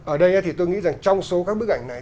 ở đây thì tôi nghĩ rằng trong số các bức ảnh này